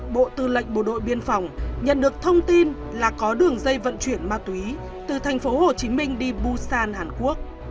bộ tư lệnh bộ đội biên phòng nhận được thông tin là có đường dây vận chuyển ma túy từ thành phố hồ chí minh đi busan hàn quốc